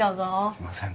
すいません。